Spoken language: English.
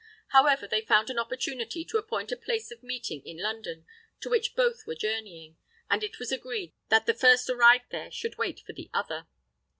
However, they found an opportunity to appoint a place of meeting in London, to which both were journeying, and it was agreed that the first arrived should there wait for the other.